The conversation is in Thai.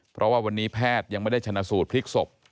เพราะว่าวันนี้แพทย์ยังไม่ได้ชนะสูตรพลิกศพ